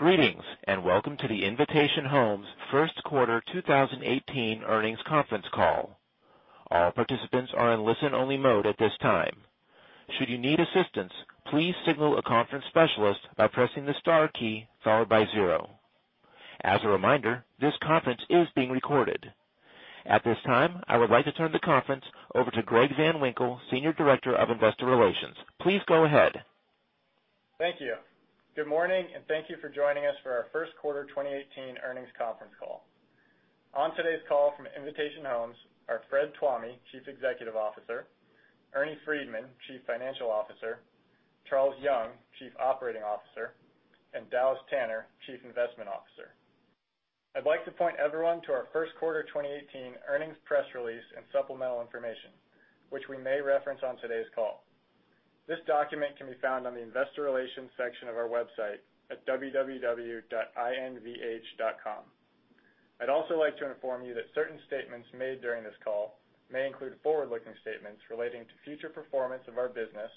Greetings, and welcome to the Invitation Homes first quarter 2018 earnings conference call. All participants are in listen-only mode at this time. Should you need assistance, please signal a conference specialist by pressing the star key followed by zero. As a reminder, this conference is being recorded. At this time, I would like to turn the conference over to Greg Van Winkle, Senior Director of Investor Relations. Please go ahead. Thank you. Good morning, and thank you for joining us for our first quarter 2018 earnings conference call. On today's call from Invitation Homes are Fred Tuomi, Chief Executive Officer, Ernie Freedman, Chief Financial Officer, Charles Young, Chief Operating Officer, and Dallas Tanner, Chief Investment Officer. I'd like to point everyone to our first quarter 2018 earnings press release and supplemental information, which we may reference on today's call. This document can be found on the investor relations section of our website at www.invh.com. I'd also like to inform you that certain statements made during this call may include forward-looking statements relating to future performance of our business,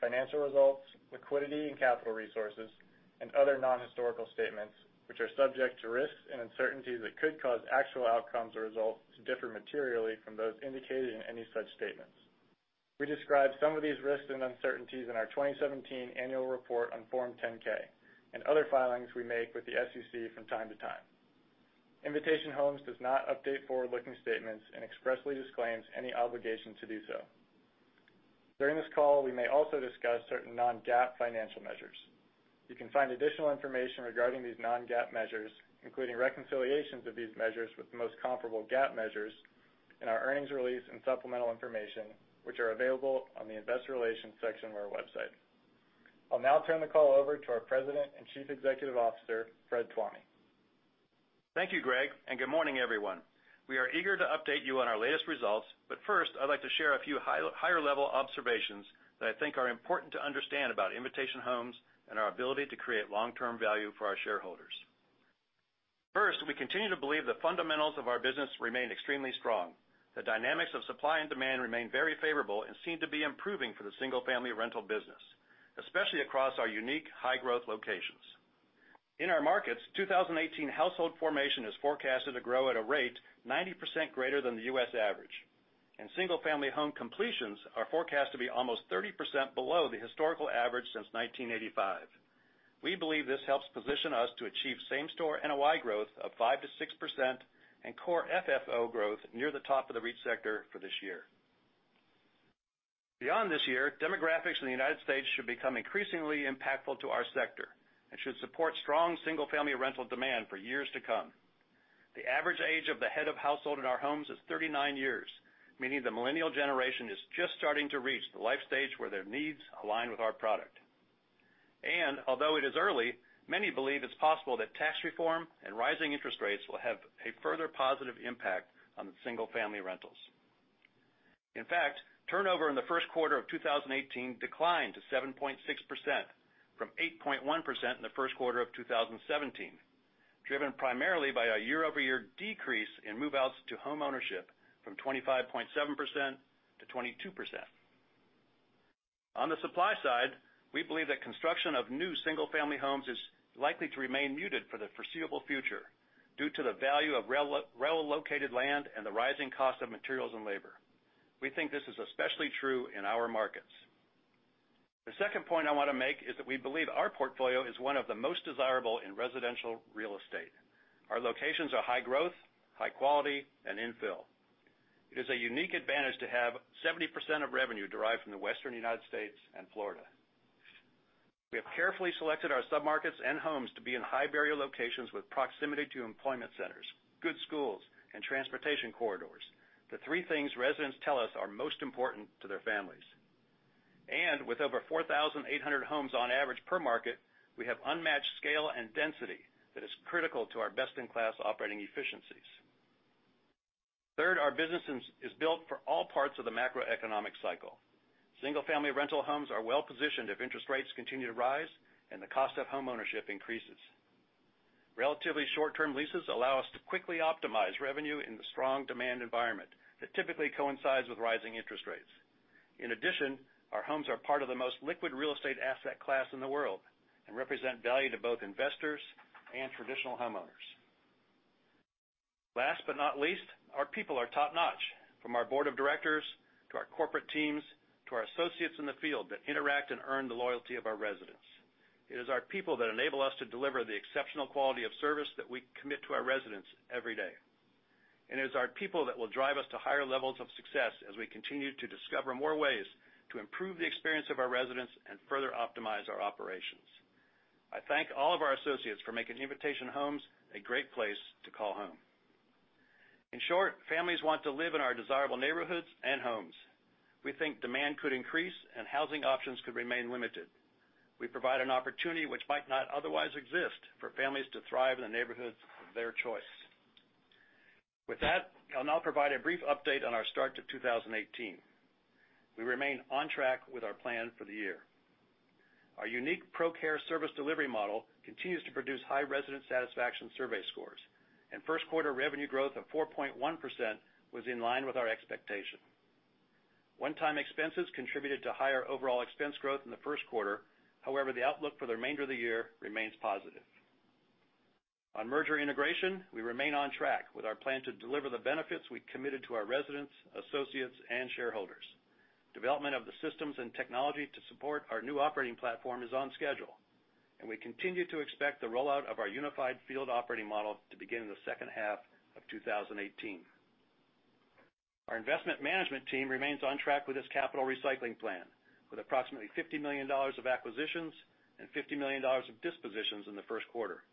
financial results, liquidity and capital resources, and other non-historical statements, which are subject to risks and uncertainties that could cause actual outcomes or results to differ materially from those indicated in any such statements. We describe some of these risks and uncertainties in our 2017 annual report on Form 10-K, and other filings we make with the SEC from time to time. Invitation Homes does not update forward-looking statements and expressly disclaims any obligation to do so. During this call, we may also discuss certain non-GAAP financial measures. You can find additional information regarding these non-GAAP measures, including reconciliations of these measures with the most comparable GAAP measures in our earnings release and supplemental information, which are available on the investor relations section of our website. I'll now turn the call over to our President and Chief Executive Officer, Fred Tuomi. Thank you, Greg, and good morning, everyone. We are eager to update you on our latest results. First, I'd like to share a few higher-level observations that I think are important to understand about Invitation Homes and our ability to create long-term value for our shareholders. First, we continue to believe the fundamentals of our business remain extremely strong. The dynamics of supply and demand remain very favorable and seem to be improving for the single-family rental business, especially across our unique high-growth locations. In our markets, 2018 household formation is forecasted to grow at a rate 90% greater than the U.S. average, and single-family home completions are forecast to be almost 30% below the historical average since 1985. We believe this helps position us to achieve same-store NOI growth of 5%-6% and core FFO growth near the top of the REIT sector for this year. Beyond this year, demographics in the U.S. should become increasingly impactful to our sector and should support strong single-family rental demand for years to come. The average age of the head of household in our homes is 39 years, meaning the millennial generation is just starting to reach the life stage where their needs align with our product. Although it is early, many believe it's possible that tax reform and rising interest rates will have a further positive impact on the single-family rentals. In fact, turnover in the first quarter of 2018 declined to 7.6% from 8.1% in the first quarter of 2017, driven primarily by a year-over-year decrease in move-outs to homeownership from 25.7% to 22%. On the supply side, we believe that construction of new single-family homes is likely to remain muted for the foreseeable future due to the value of relocated land and the rising cost of materials and labor. We think this is especially true in our markets. The second point I want to make is that we believe our portfolio is one of the most desirable in residential real estate. Our locations are high-growth, high-quality, and infill. It is a unique advantage to have 70% of revenue derived from the Western U.S. and Florida. We have carefully selected our submarkets and homes to be in high-barrier locations with proximity to employment centers, good schools, and transportation corridors, the three things residents tell us are most important to their families. With over 4,800 homes on average per market, we have unmatched scale and density that is critical to our best-in-class operating efficiencies. Third, our business is built for all parts of the macroeconomic cycle. Single-family rental homes are well-positioned if interest rates continue to rise and the cost of homeownership increases. Relatively short-term leases allow us to quickly optimize revenue in the strong demand environment that typically coincides with rising interest rates. In addition, our homes are part of the most liquid real estate asset class in the world and represent value to both investors and traditional homeowners. Last but not least, our people are top-notch, from our board of directors to our corporate teams, to our associates in the field that interact and earn the loyalty of our residents. It is our people that enable us to deliver the exceptional quality of service that we commit to our residents every day. It is our people that will drive us to higher levels of success as we continue to discover more ways to improve the experience of our residents and further optimize our operations. I thank all of our associates for making Invitation Homes a great place to call home. In short, families want to live in our desirable neighborhoods and homes. We think demand could increase, and housing options could remain limited. We provide an opportunity which might not otherwise exist for families to thrive in the neighborhoods of their choice. With that, I'll now provide a brief update on our start to 2018. We remain on track with our plan for the year. Our unique ProCare service delivery model continues to produce high resident satisfaction survey scores, and first quarter revenue growth of 4.1% was in line with our expectation. One-time expenses contributed to higher overall expense growth in the first quarter. The outlook for the remainder of the year remains positive. On merger integration, we remain on track with our plan to deliver the benefits we committed to our residents, associates, and shareholders. Development of the systems and technology to support our new operating platform is on schedule, and we continue to expect the rollout of our unified field operating model to begin in the second half of 2018. Our investment management team remains on track with its capital recycling plan, with approximately $50 million of acquisitions and $50 million of dispositions in the first quarter.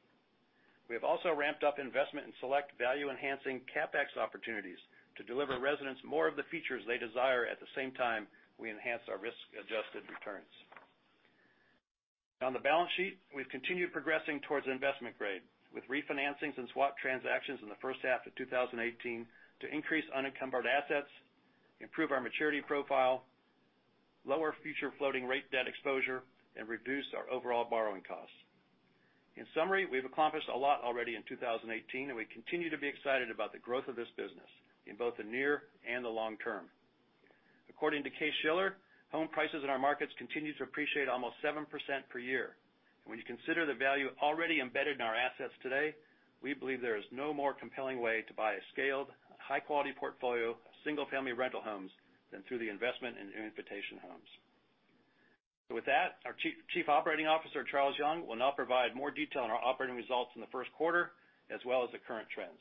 We have also ramped up investment in select value-enhancing CapEx opportunities to deliver residents more of the features they desire. At the same time, we enhance our risk-adjusted returns. On the balance sheet, we've continued progressing towards investment grade with refinancings and swap transactions in the first half of 2018 to increase unencumbered assets, improve our maturity profile, lower future floating rate debt exposure, and reduce our overall borrowing costs. In summary, we've accomplished a lot already in 2018, and we continue to be excited about the growth of this business in both the near and the long term. According to Case-Shiller, home prices in our markets continue to appreciate almost 7% per year. When you consider the value already embedded in our assets today, we believe there is no more compelling way to buy a scaled, high-quality portfolio of single-family rental homes than through the investment in Invitation Homes. With that, our Chief Operating Officer, Charles Young, will now provide more detail on our operating results in the first quarter, as well as the current trends.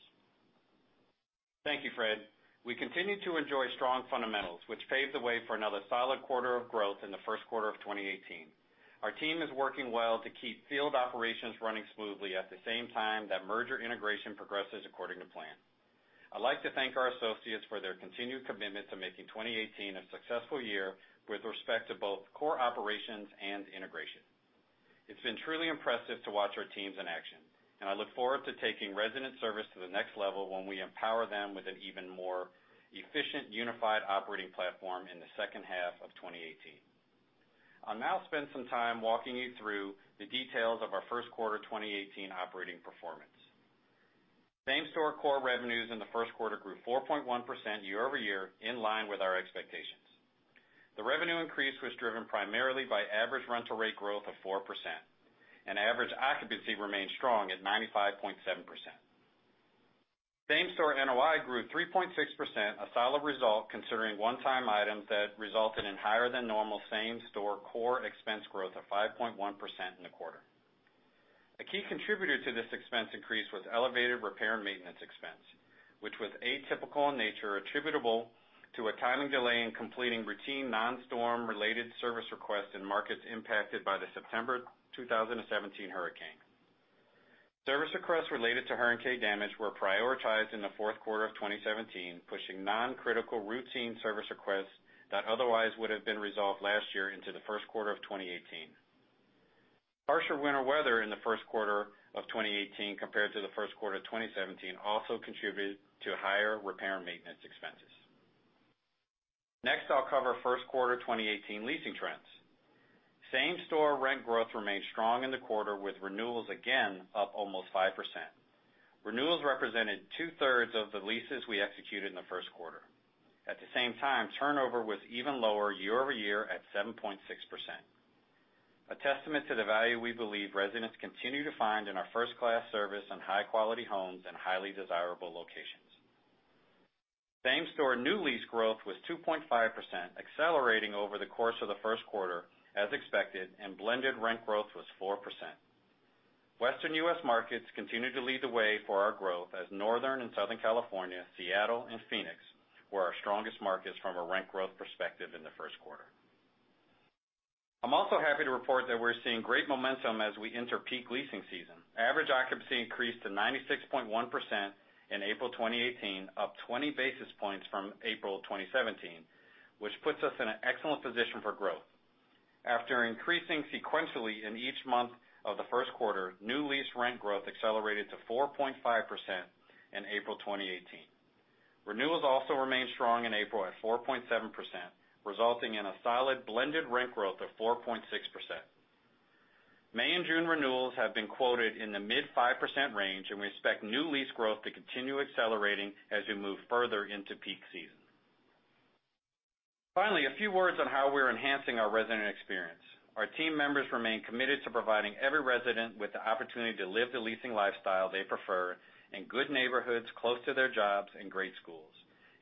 Thank you, Fred. We continue to enjoy strong fundamentals, which paved the way for another solid quarter of growth in the first quarter of 2018. Our team is working well to keep field operations running smoothly at the same time that merger integration progresses according to plan. I'd like to thank our associates for their continued commitment to making 2018 a successful year with respect to both core operations and integration. It's been truly impressive to watch our teams in action. I look forward to taking resident service to the next level when we empower them with an even more efficient, unified operating platform in the second half of 2018. I'll now spend some time walking you through the details of our first quarter 2018 operating performance. Same-store core revenues in the first quarter grew 4.1% year-over-year, in line with our expectations. The revenue increase was driven primarily by average rental rate growth of 4%, and average occupancy remained strong at 95.7%. Same-store NOI grew 3.6%, a solid result considering one-time items that resulted in higher than normal same-store core expense growth of 5.1% in the quarter. A key contributor to this expense increase was elevated repair and maintenance expense, which was atypical in nature, attributable to a timing delay in completing routine non-storm related service requests in markets impacted by the September 2017 hurricane. Service requests related to hurricane damage were prioritized in the fourth quarter of 2017, pushing non-critical routine service requests that otherwise would have been resolved last year into the first quarter of 2018. Harsher winter weather in the first quarter of 2018 compared to the first quarter of 2017 also contributed to higher repair and maintenance expenses. Next, I'll cover first quarter 2018 leasing trends. Same-store rent growth remained strong in the quarter, with renewals again up almost 5%. Renewals represented two-thirds of the leases we executed in the first quarter. At the same time, turnover was even lower year-over-year at 7.6%. A testament to the value we believe residents continue to find in our first-class service and high-quality homes in highly desirable locations. Same-store new lease growth was 2.5%, accelerating over the course of the first quarter as expected, and blended rent growth was 4%. Western U.S. markets continued to lead the way for our growth as Northern and Southern California, Seattle, and Phoenix were our strongest markets from a rent growth perspective in the first quarter. I'm also happy to report that we're seeing great momentum as we enter peak leasing season. Average occupancy increased to 96.1% in April 2018, up 20 basis points from April 2017, which puts us in an excellent position for growth. After increasing sequentially in each month of the first quarter, new lease rent growth accelerated to 4.5% in April 2018. Renewals also remained strong in April at 4.7%, resulting in a solid blended rent growth of 4.6%. May and June renewals have been quoted in the mid 5% range, and we expect new lease growth to continue accelerating as we move further into peak season. Finally, a few words on how we're enhancing our resident experience. Our team members remain committed to providing every resident with the opportunity to live the leasing lifestyle they prefer in good neighborhoods, close to their jobs and great schools.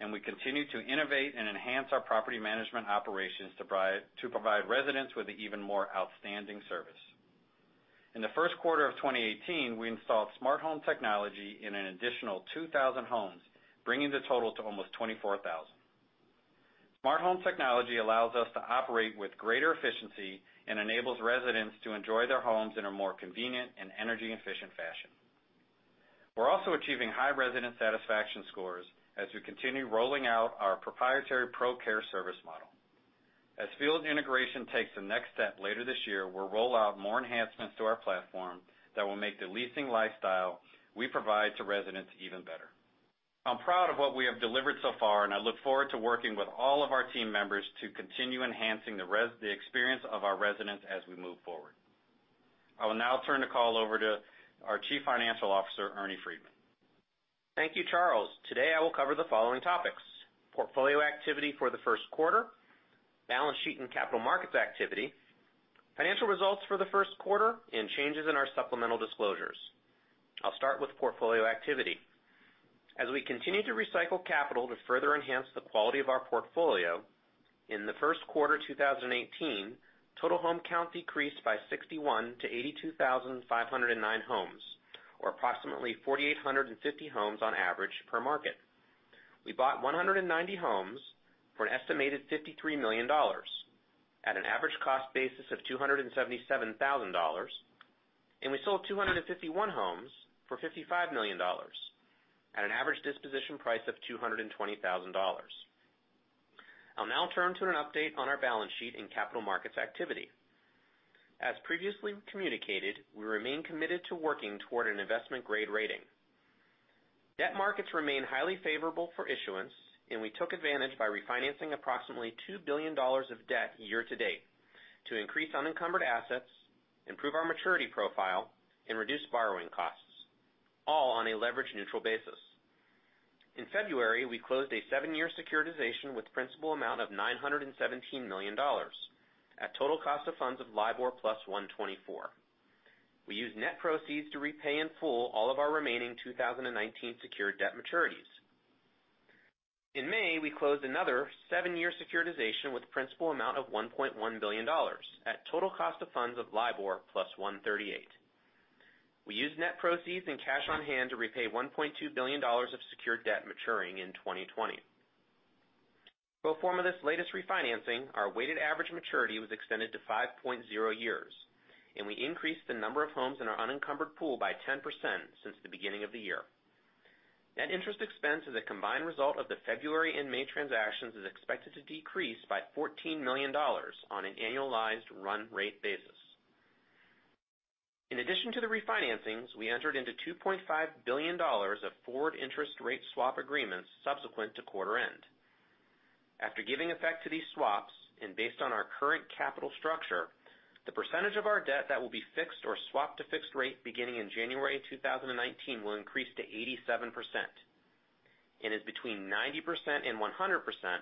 We continue to innovate and enhance our property management operations to provide residents with an even more outstanding service. In the first quarter of 2018, we installed smart home technology in an additional 2,000 homes, bringing the total to almost 24,000. Smart home technology allows us to operate with greater efficiency and enables residents to enjoy their homes in a more convenient and energy-efficient fashion. We're also achieving high resident satisfaction scores as we continue rolling out our proprietary ProCare service model. As field integration takes the next step later this year, we'll roll out more enhancements to our platform that will make the leasing lifestyle we provide to residents even better. I'm proud of what we have delivered so far, and I look forward to working with all of our team members to continue enhancing the experience of our residents as we move forward. I will now turn the call over to our Chief Financial Officer, Ernie Freedman. Thank you, Charles. Today I will cover the following topics: portfolio activity for the first quarter, balance sheet and capital markets activity, financial results for the first quarter, and changes in our supplemental disclosures. I'll start with portfolio activity. As we continue to recycle capital to further enhance the quality of our portfolio, in the first quarter 2018, total home count decreased by 61 to 82,509 homes, or approximately 4,850 homes on average per market. We bought 190 homes for an estimated $53 million at an average cost basis of $277,000, and we sold 251 homes for $55 million at an average disposition price of $220,000. I'll now turn to an update on our balance sheet and capital markets activity. As previously communicated, we remain committed to working toward an investment-grade rating. Debt markets remain highly favorable for issuance. We took advantage by refinancing approximately $2 billion of debt year-to-date to increase unencumbered assets, improve our maturity profile, and reduce borrowing costs, all on a leverage neutral basis. In February, we closed a seven-year securitization with principal amount of $917 million at total cost of funds of LIBOR plus 124. We used net proceeds to repay in full all of our remaining 2019 secured debt maturities. In May, we closed another seven-year securitization with a principal amount of $1.1 billion at total cost of funds of LIBOR plus 138. We used net proceeds and cash on hand to repay $1.2 billion of secured debt maturing in 2020. Pro forma this latest refinancing, our weighted average maturity was extended to 5.0 years, and we increased the number of homes in our unencumbered pool by 10% since the beginning of the year. Net interest expense as a combined result of the February and May transactions is expected to decrease by $14 million on an annualized run rate basis. In addition to the refinancings, we entered into $2.5 billion of forward interest rate swap agreements subsequent to quarter end. After giving effect to these swaps, based on our current capital structure, the percentage of our debt that will be fixed or swapped to fixed rate beginning in January 2019 will increase to 87% and is between 90% and 100%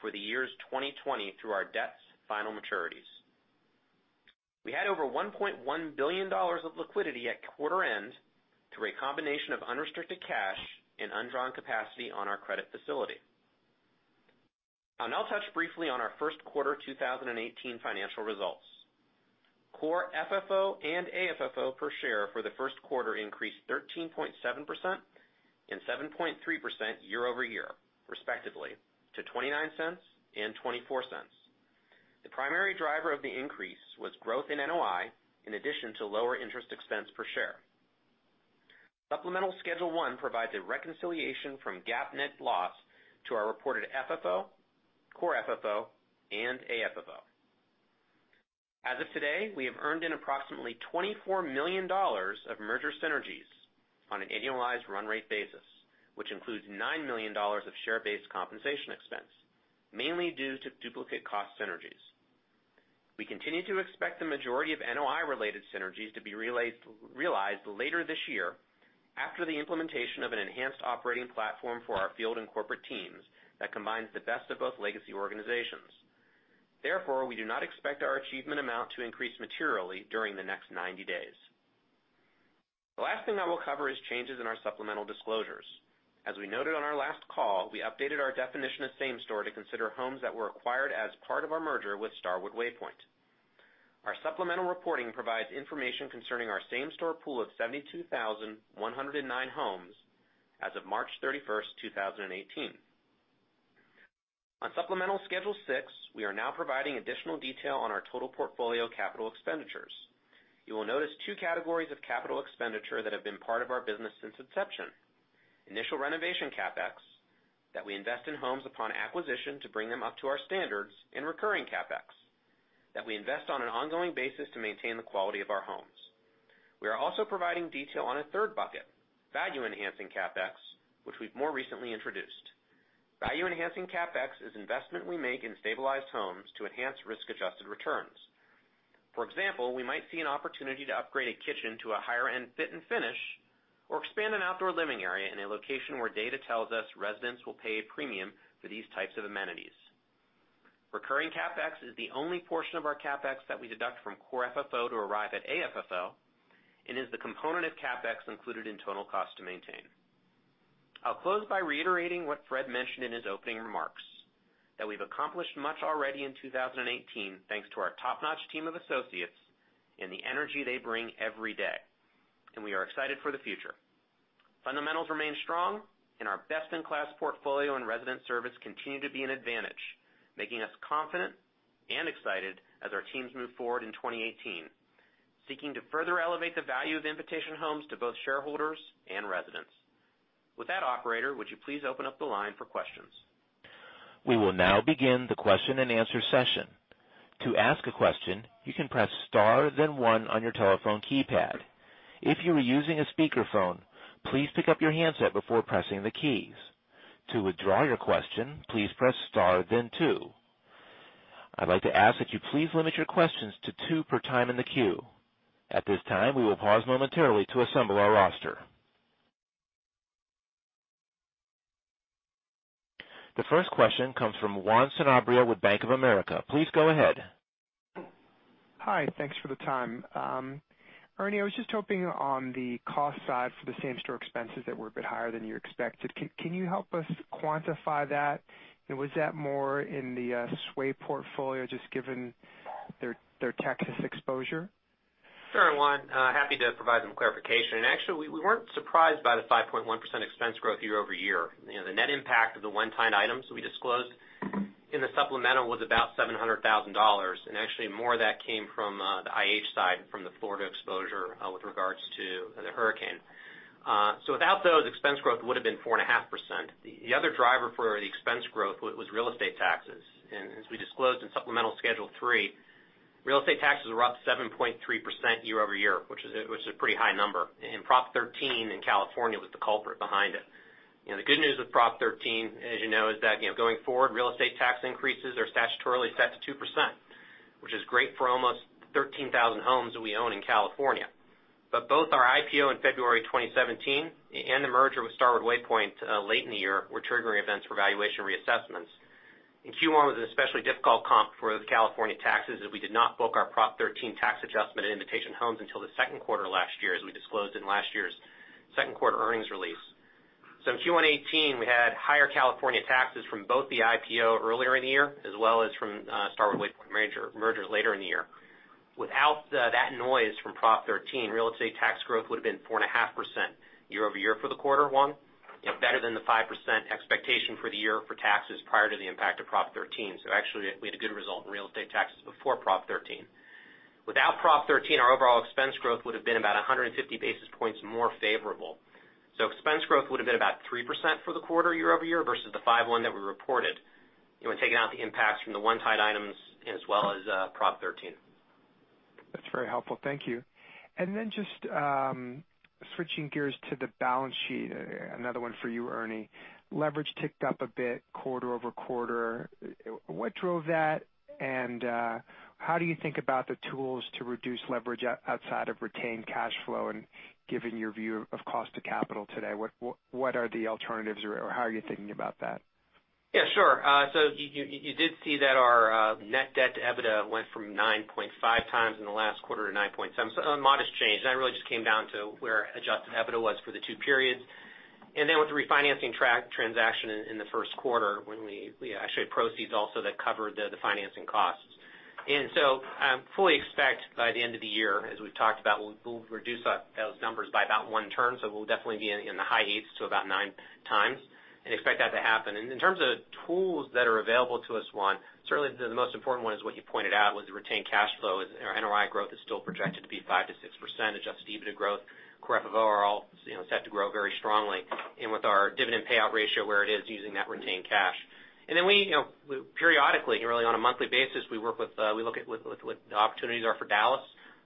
for the years 2020 through our debt's final maturities. We had over $1.1 billion of liquidity at quarter end through a combination of unrestricted cash and undrawn capacity on our credit facility. I'll now touch briefly on our first quarter 2018 financial results. Core FFO and AFFO per share for the first quarter increased 13.7% and 7.3% year-over-year, respectively, to $0.29 and $0.24. The primary driver of the increase was growth in NOI in addition to lower interest expense per share. Supplemental Schedule 1 provides a reconciliation from GAAP net loss to our reported FFO, core FFO, and AFFO. As of today, we have earned in approximately $24 million of merger synergies on an annualized run rate basis, which includes $9 million of share-based compensation expense, mainly due to duplicate cost synergies. We continue to expect the majority of NOI-related synergies to be realized later this year after the implementation of an enhanced operating platform for our field and corporate teams that combines the best of both legacy organizations. Therefore, we do not expect our achievement amount to increase materially during the next 90 days. The last thing I will cover is changes in our supplemental disclosures. As we noted on our last call, we updated our definition of same store to consider homes that were acquired as part of our merger with Starwood Waypoint. Our supplemental reporting provides information concerning our same-store pool of 72,109 homes as of March 31st, 2018. On Supplemental Schedule 6, we are now providing additional detail on our total portfolio capital expenditures. You will notice two categories of capital expenditure that have been part of our business since inception. Initial renovation CapEx that we invest in homes upon acquisition to bring them up to our standards, and recurring CapEx that we invest on an ongoing basis to maintain the quality of our homes. We are also providing detail on a third bucket, value-enhancing CapEx, which we've more recently introduced. Value-enhancing CapEx is investment we make in stabilized homes to enhance risk-adjusted returns. For example, we might see an opportunity to upgrade a kitchen to a higher-end fit and finish or expand an outdoor living area in a location where data tells us residents will pay a premium for these types of amenities. Recurring CapEx is the only portion of our CapEx that we deduct from core FFO to arrive at AFFO and is the component of CapEx included in total cost to maintain. I'll close by reiterating what Fred mentioned in his opening remarks, that we've accomplished much already in 2018, thanks to our top-notch team of associates and the energy they bring every day, and we are excited for the future. Fundamentals remain strong. Our best-in-class portfolio and resident service continue to be an advantage, making us confident and excited as our teams move forward in 2018, seeking to further elevate the value of Invitation Homes to both shareholders and residents. With that, operator, would you please open up the line for questions? We will now begin the question and answer session. To ask a question, you can press star then one on your telephone keypad. If you are using a speakerphone, please pick up your handset before pressing the keys. To withdraw your question, please press star then two. I'd like to ask that you please limit your questions to two per time in the queue. At this time, we will pause momentarily to assemble our roster. The first question comes from Juan Sanabria with Bank of America. Please go ahead. Hi. Thanks for the time. Ernie, I was just hoping on the cost side for the same store expenses that were a bit higher than you expected, can you help us quantify that? Was that more in the Sway portfolio, just given their Texas exposure? Sure, Juan. Happy to provide some clarification. Actually, we weren't surprised by the 5.1% expense growth year-over-year. The net impact of the one-time items we disclosed in the supplemental was about $700,000. Actually, more of that came from the IH side, from the Florida exposure with regards to the hurricane. Without those, expense growth would've been 4.5%. The other driver for the expense growth was real estate taxes. As we disclosed in supplemental Schedule three, real estate taxes were up 7.3% year-over-year, which is a pretty high number. Prop 13 in California was the culprit behind it. The good news with Prop 13, as you know, is that, going forward, real estate tax increases are statutorily set to 2%, which is great for almost 13,000 homes that we own in California. Both our IPO in February 2017 and the merger with Starwood Waypoint late in the year were triggering events for valuation reassessments, and Q1 was an especially difficult comp for those California taxes, as we did not book our Prop 13 tax adjustment in Invitation Homes until the second quarter last year, as we disclosed in last year's second quarter earnings release. In Q1 2018, we had higher California taxes from both the IPO earlier in the year, as well as from Starwood Waypoint mergers later in the year. Without that noise from Prop 13, real estate tax growth would've been 4.5% year-over-year for the quarter one, better than the 5% expectation for the year for taxes prior to the impact of Prop 13. Actually, we had a good result in real estate taxes before Prop 13. Without Proposition 13, our overall expense growth would've been about 150 basis points more favorable. Expense growth would've been about 3% for the quarter year-over-year versus the 5.1 that we reported, when taking out the impacts from the one-time items as well as Proposition 13. That's very helpful. Thank you. Just switching gears to the balance sheet, another one for you, Ernie. Leverage ticked up a bit quarter-over-quarter. What drove that, and how do you think about the tools to reduce leverage outside of retained cash flow, and given your view of cost to capital today, what are the alternatives, or how are you thinking about that? Yeah, sure. You did see that our net debt to EBITDA went from 9.5 times in the last quarter to 9.7. A modest change, that really just came down to where adjusted EBITDA was for the two periods. With the refinancing transaction in the first quarter, when we actually had proceeds also that covered the financing costs. Fully expect by the end of the year, as we've talked about, we'll reduce those numbers by about one turn. We'll definitely be in the high eights to about nine times, and expect that to happen. In terms of tools that are available to us, Juan, certainly the most important one is what you pointed out, was the retained cash flow. Our NOI growth is still projected to be 5%-6% adjusted EBITDA growth. Core FFO is set to grow very strongly, with our dividend payout ratio where it is, using that retained cash. We periodically, really on a monthly basis, we look at what the opportunities are for Dallas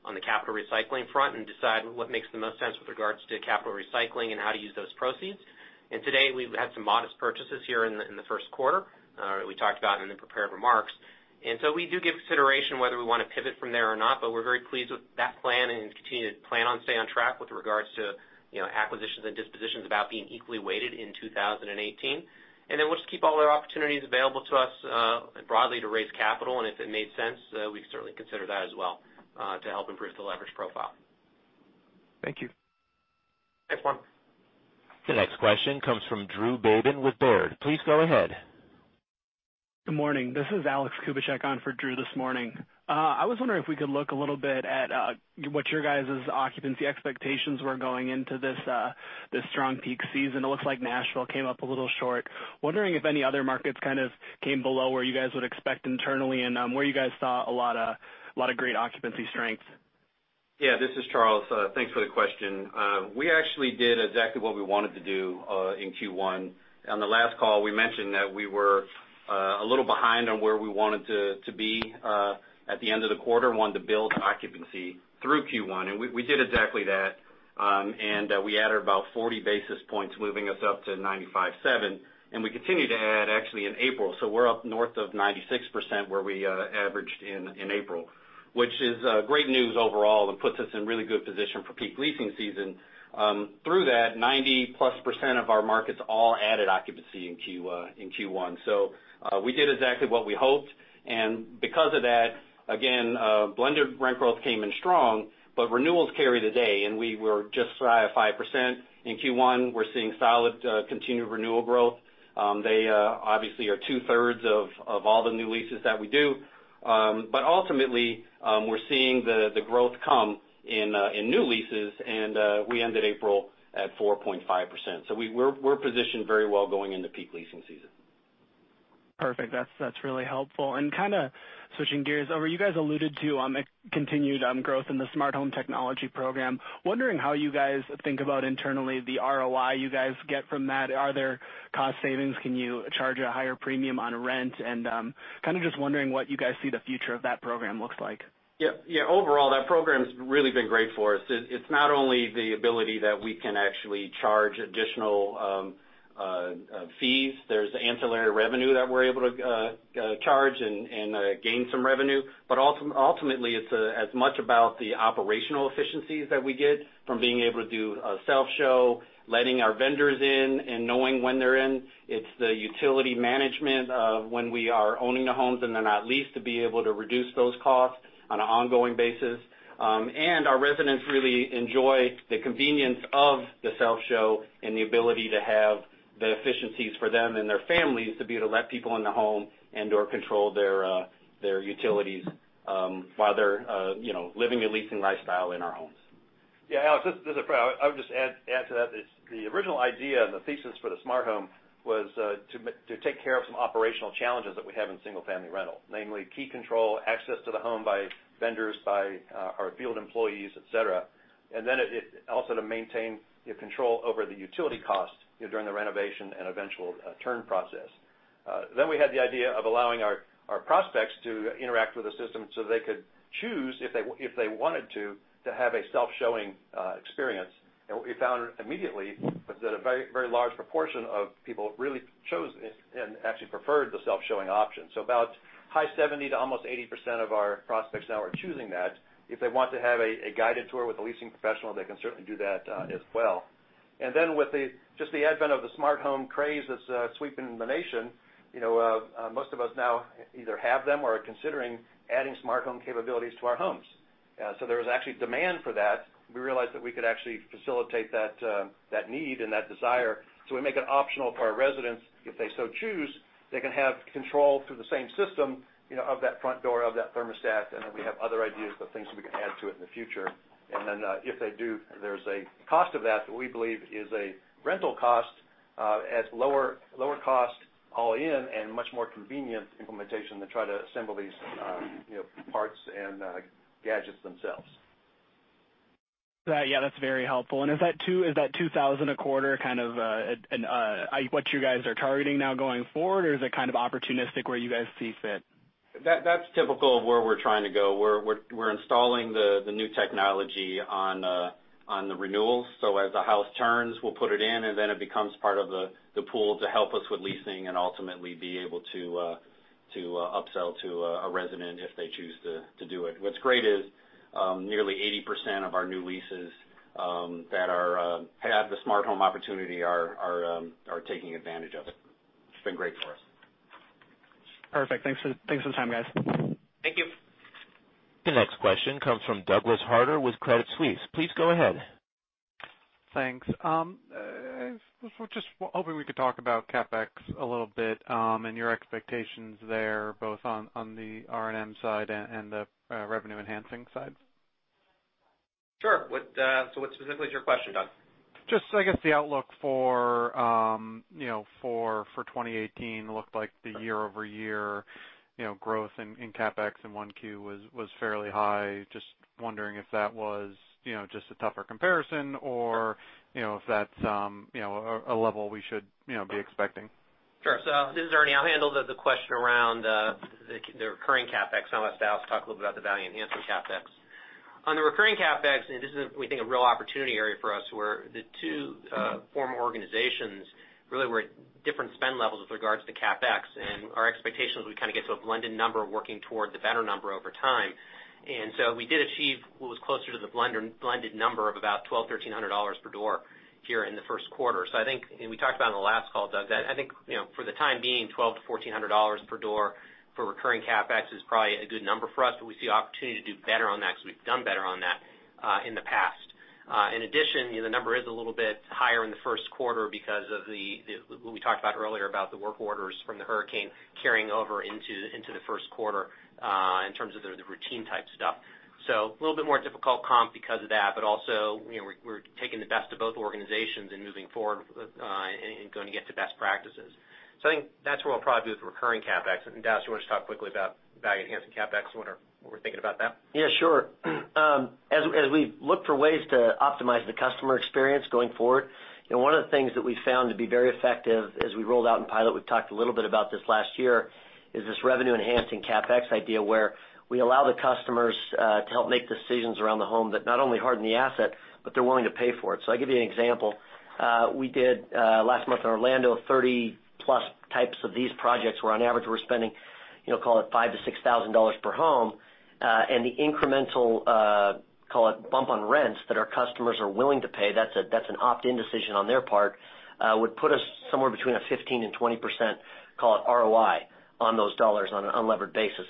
on the capital recycling front and decide what makes the most sense with regards to capital recycling and how to use those proceeds. To date, we've had some modest purchases here in the first quarter, we talked about in the prepared remarks. We do give consideration whether we want to pivot from there or not, but we're very pleased with that plan and continue to plan on staying on track with regards to acquisitions and dispositions about being equally weighted in 2018. We'll just keep all our opportunities available to us broadly to raise capital, and if it made sense, we'd certainly consider that as well to help improve the leverage profile. Thank you. Thanks, Juan. The next question comes from Andrew Babin with Baird. Please go ahead. Good morning. This is Alexander Kubicek on for Drew this morning. I was wondering if we could look a little bit at what your guys' occupancy expectations were going into this strong peak season. It looks like Nashville came up a little short. Wondering if any other markets kind of came below where you guys would expect internally, and where you guys saw a lot of great occupancy strength. Yeah, this is Charles. Thanks for the question. We actually did exactly what we wanted to do in Q1. On the last call, we mentioned that we were a little behind on where we wanted to be at the end of the quarter and wanted to build occupancy through Q1, and we did exactly that. We added about 40 basis points, moving us up to 95.7. We continued to add actually in April. We're up north of 96%, where we averaged in April, which is great news overall and puts us in a really good position for peak leasing season. Through that, 90-plus % of our markets all added occupancy in Q1. We did exactly what we hoped, and because of that, again, blended rent growth came in strong, but renewals carried the day, and we were just shy of 5% in Q1. We're seeing solid continued renewal growth. They obviously are two-thirds of all the new leases that we do. Ultimately, we're seeing the growth come in new leases, and we ended April at 4.5%. We're positioned very well going into peak leasing season. Perfect. That's really helpful. Kind of switching gears, you guys alluded to continued growth in the smart home technology program. Wondering how you guys think about internally the ROI you guys get from that. Are there cost savings? Can you charge a higher premium on rent? Kind of just wondering what you guys see the future of that program looks like. Yeah. Overall, that program's really been great for us. It's not only the ability that we can actually charge additional fees. There's ancillary revenue that we're able to charge and gain some revenue. Ultimately, it's as much about the operational efficiencies that we get from being able to do a self-show, letting our vendors in, and knowing when they're in. It's the utility management of when we are owning the homes, and they're not leased, to be able to reduce those costs on an ongoing basis. Our residents really enjoy the convenience of the self-show and the ability to have the efficiencies for them and their families to be able to let people in the home and/or control their utilities, while they're living a leasing lifestyle in our homes. Yeah, Alex, this is Fred. I would just add to that, is the original idea and the thesis for the smart home was to take care of some operational challenges that we have in single-family rental. Namely, key control, access to the home by vendors, by our field employees, et cetera. Also to maintain control over the utility costs during the renovation and eventual turn process. We had the idea of allowing our prospects to interact with the system so they could choose, if they wanted to have a self-showing experience. What we found immediately was that a very large proportion of people really chose and actually preferred the self-showing option. About high 70% to almost 80% of our prospects now are choosing that. If they want to have a guided tour with a leasing professional, they can certainly do that as well. With just the advent of the smart home craze that's sweeping the nation, most of us now either have them or are considering adding smart home capabilities to our homes. There was actually demand for that. We realized that we could actually facilitate that need and that desire. We make it optional for our residents, if they so choose, they can have control through the same system of that front door, of that thermostat, and then we have other ideas of things that we can add to it in the future. If they do, there's a cost of that we believe is a rental cost at lower cost all in and much more convenient implementation than try to assemble these parts and gadgets themselves. That's very helpful. Is that 2,000 a quarter kind of what you guys are targeting now going forward, or is it kind of opportunistic where you guys see fit? That's typical of where we're trying to go. We're installing the new technology on the renewals. As a house turns, we'll put it in, and then it becomes part of the pool to help us with leasing and ultimately be able to upsell to a resident if they choose to do it. What's great is nearly 80% of our new leases that have the smart home opportunity are taking advantage of it. It's been great for us. Perfect. Thanks for the time, guys. Thank you. The next question comes from Douglas Harter with Credit Suisse. Please go ahead. Thanks. Was just hoping we could talk about CapEx a little bit, and your expectations there, both on the R&M side and the revenue-enhancing side. Sure. What specifically is your question, Doug? Just, I guess, the outlook for 2018 looked like the year-over-year growth in CapEx in 1Q was fairly high. Just wondering if that was just a tougher comparison or if that's a level we should be expecting. Sure. This is Ernie. I'll handle the question around the recurring CapEx. I'll let Dallas talk a little about the value-enhancing CapEx. On the recurring CapEx, this is, we think, a real opportunity area for us, where the two former organizations really were at different spend levels with regards to CapEx. Our expectation is we kind of get to a blended number working toward the better number over time. We did achieve what was closer to the blended number of about $1,200, $1,300 per door here in the first quarter. I think, we talked about on the last call, Doug, that I think for the time being, $1,200-$1,400 per door for recurring CapEx is probably a good number for us. We see opportunity to do better on that because we've done better on that in the past. In addition, the number is a little bit higher in the first quarter because of what we talked about earlier, about the work orders from the hurricane carrying over into the first quarter, in terms of the routine type stuff. A little bit more difficult comp because of that, but also, we're taking the best of both organizations and moving forward, and going to get to best practices. I think that's where we'll probably be with recurring CapEx. Dallas, you want to just talk quickly about value-enhancing CapEx and what we're thinking about that? Yeah, sure. As we look for ways to optimize the customer experience going forward, one of the things that we found to be very effective as we rolled out in pilot, we've talked a little bit about this last year, is this revenue-enhancing CapEx idea where we allow the customers to help make decisions around the home that not only harden the asset, but they're willing to pay for it. I'll give you an example. We did, last month in Orlando, 30-plus types of these projects where on average we're spending call it $5,000-$6,000 per home. The incremental, call it bump on rents that our customers are willing to pay, that's an opt-in decision on their part, would put us somewhere between a 15%-20% call it ROI on those dollars on an unlevered basis.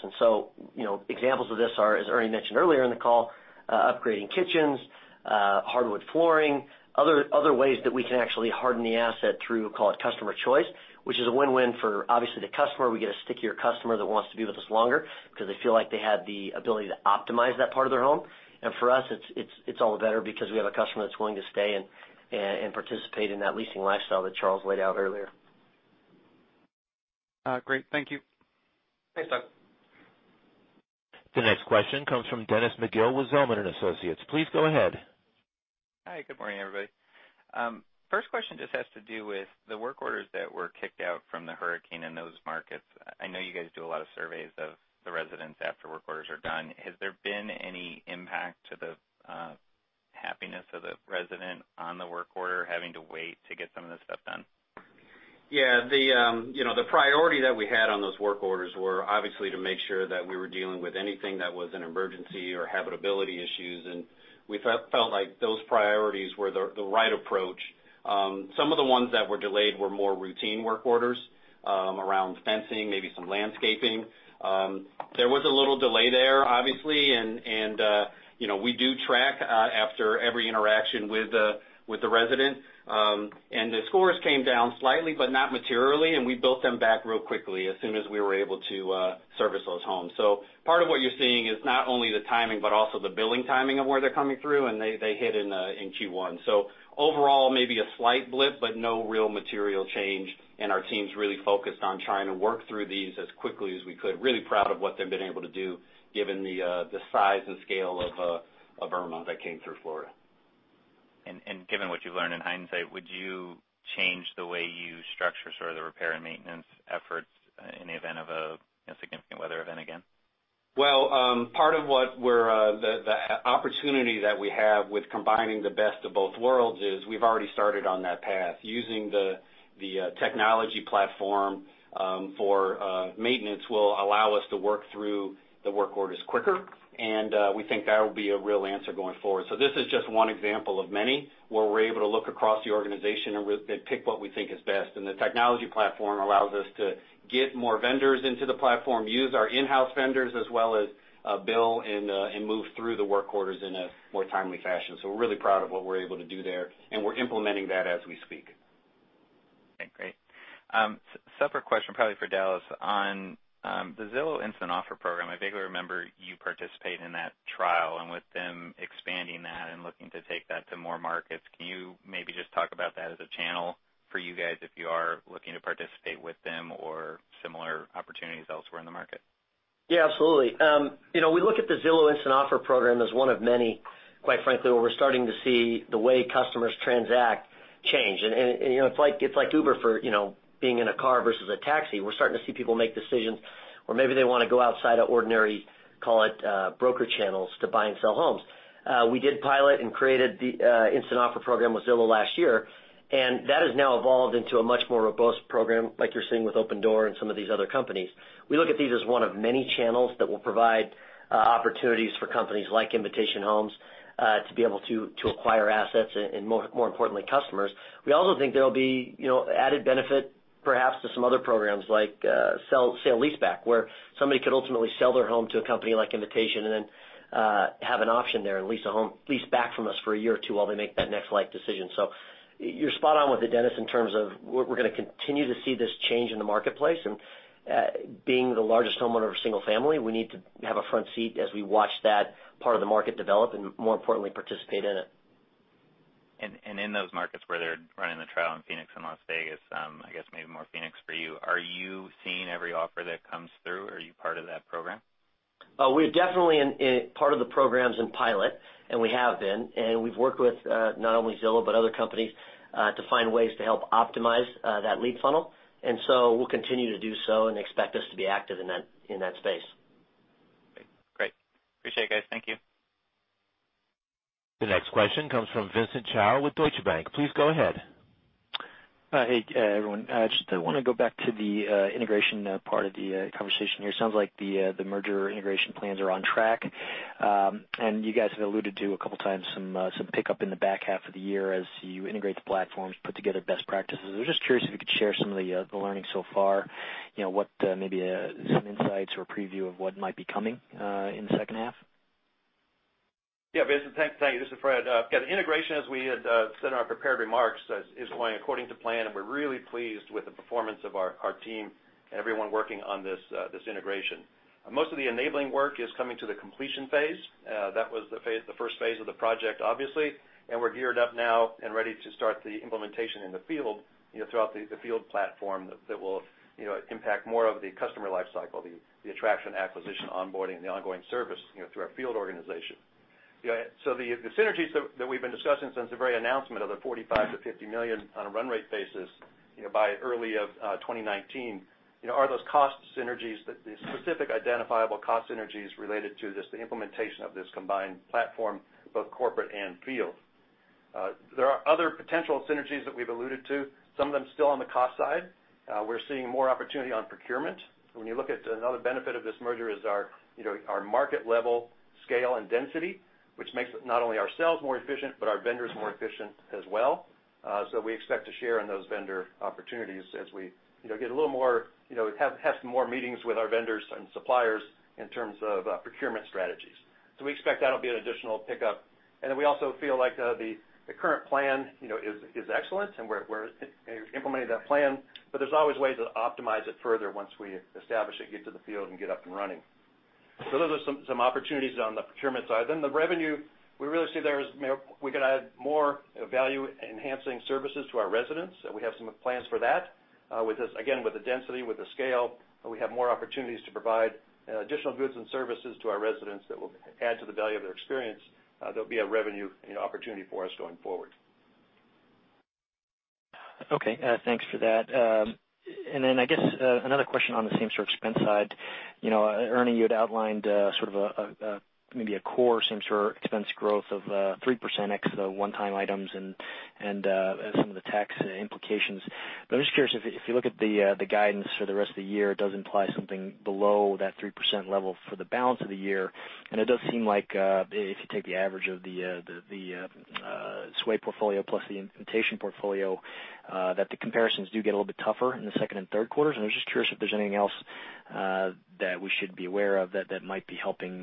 Examples of this are, as Ernie mentioned earlier in the call, upgrading kitchens, hardwood flooring, other ways that we can actually harden the asset through call it customer choice, which is a win-win for obviously the customer. We get a stickier customer that wants to be with us longer because they feel like they had the ability to optimize that part of their home. For us, it's all better because we have a customer that's willing to stay and participate in that leasing lifestyle that Charles laid out earlier. Great. Thank you. Thanks, Doug. The next question comes from Dennis McGill with Zelman & Associates. Please go ahead. Hi, good morning, everybody. First question just has to do with the work orders that were kicked out from the hurricane in those markets. I know you guys do a lot of surveys of the residents after work orders are done. Has there been any impact to the happiness of the resident on the work order having to wait to get some of this stuff done? Yeah. The priority that we had on those work orders were obviously to make sure that we were dealing with anything that was an emergency or habitability issues, and we felt like those priorities were the right approach. Some of the ones that were delayed were more routine work orders around fencing, maybe some landscaping. There was a little delay there, obviously, and we do track after every interaction with the resident. The scores came down slightly, but not materially, and we built them back real quickly as soon as we were able to service those homes. Part of what you're seeing is not only the timing, but also the billing timing of where they're coming through, and they hit in Q1. Overall, maybe a slight blip, but no real material change, and our team's really focused on trying to work through these as quickly as we could. Really proud of what they've been able to do given the size and scale of Irma that came through Florida. Given what you've learned in hindsight, would you change the way you structure sort of the repair and maintenance efforts in the event of a significant weather event again? Well, part of the opportunity that we have with combining the best of both worlds is we've already started on that path. Using the technology platform for maintenance will allow us to work through the work orders quicker, and we think that will be a real answer going forward. This is just one example of many, where we're able to look across the organization and pick what we think is best, and the technology platform allows us to get more vendors into the platform, use our in-house vendors as well as bill and move through the work orders in a more timely fashion. We're really proud of what we're able to do there, and we're implementing that as we speak. Okay, great. Separate question probably for Dallas. On the Zillow Instant Offers program, I vaguely remember you participate in that trial. With them expanding that and looking to take that to more markets, can you maybe just talk about that as a channel for you guys if you are looking to participate with them or similar opportunities elsewhere in the market? Yeah, absolutely. We look at the Zillow Instant Offers program as one of many, quite frankly, where we're starting to see the way customers transact change. It's like Uber for being in a car versus a taxi. We're starting to see people make decisions where maybe they want to go outside of ordinary, call it, broker channels to buy and sell homes. We did pilot and created the Instant Offer program with Zillow last year, that has now evolved into a much more robust program like you're seeing with Opendoor and some of these other companies. We look at these as one of many channels that will provide opportunities for companies like Invitation Homes to be able to acquire assets and, more importantly, customers. We also think there'll be added benefit perhaps to some other programs like sale leaseback, where somebody could ultimately sell their home to a company like Invitation and then have an option there and lease back from us for a year or two while they make that next life decision. You're spot on with it, Dennis, in terms of we're going to continue to see this change in the marketplace. Being the largest homeowner of single family, we need to have a front seat as we watch that part of the market develop and, more importantly, participate in it. In those markets where they're running the trial in Phoenix and Las Vegas, I guess maybe more Phoenix for you, are you seeing every offer that comes through? Are you part of that program? We're definitely part of the programs in pilot, and we have been, and we've worked with not only Zillow, but other companies to find ways to help optimize that lead funnel. We'll continue to do so and expect us to be active in that space. Great. Appreciate it, guys. Thank you. The next question comes from Vincent Chao with Deutsche Bank. Please go ahead. Hey, everyone. I just want to go back to the integration part of the conversation here. Sounds like the merger integration plans are on track. You guys have alluded to, a couple of times, some pickup in the back half of the year as you integrate the platforms, put together best practices. I was just curious if you could share some of the learning so far, maybe some insights or preview of what might be coming in the second half. Vincent, thank you. This is Fred. The integration, as we had said in our prepared remarks, is going according to plan, and we're really pleased with the performance of our team and everyone working on this integration. Most of the enabling work is coming to the completion phase. That was the first phase of the project, obviously. We're geared up now and ready to start the implementation in the field throughout the field platform that will impact more of the customer life cycle, the attraction, acquisition, onboarding, and the ongoing service through our field organization. The synergies that we've been discussing since the very announcement of the $45 million-$50 million on a run rate basis by early of 2019 are those cost synergies, the specific identifiable cost synergies related to the implementation of this combined platform, both corporate and field. There are other potential synergies that we've alluded to, some of them still on the cost side. We're seeing more opportunity on procurement. When you look at another benefit of this merger is our market level, scale, and density, which makes not only ourselves more efficient, but our vendors more efficient as well. We expect to share in those vendor opportunities as we have some more meetings with our vendors and suppliers in terms of procurement strategies. We expect that'll be an additional pickup. We also feel like the current plan is excellent, and we're implementing that plan, but there's always ways to optimize it further once we establish it, get to the field, and get up and running. Those are some opportunities on the procurement side. The revenue, we really see we could add more value-enhancing services to our residents. We have some plans for that. With this, again, with the density, with the scale, we have more opportunities to provide additional goods and services to our residents that will add to the value of their experience. There'll be a revenue opportunity for us going forward. Thanks for that. I guess, another question on the same sort of expense side. Ernie, you had outlined sort of maybe a core same-store expense growth of 3% ex the one-time items and some of the tax implications. I'm just curious, if you look at the guidance for the rest of the year, it does imply something below that 3% level for the balance of the year, and it does seem like, if you take the average of the Sway portfolio plus the Invitation portfolio, that the comparisons do get a little bit tougher in the second and third quarters. I'm just curious if there's anything else that we should be aware of that might be helping